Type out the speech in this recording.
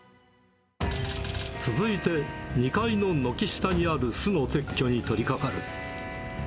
続いて、２階の軒下にある巣の撤去に取りかかる。